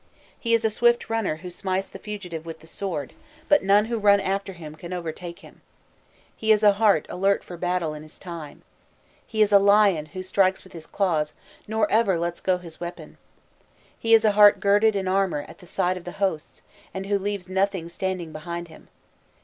He is a swift runner who smites the fugitive with the sword, but none who run after him can overtake him. He is a heart alert for battle in his time. He is a lion who strikes with his claws, nor ever lets go his weapon. He is a heart girded in armour at the sight of the hosts, and who leaves nothing standing behind him.